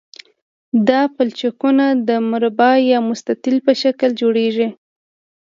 دا پلچکونه د مربع یا مستطیل په شکل جوړیږي